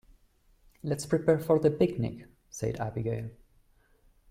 "Let's prepare for the picnic!", said Abigail.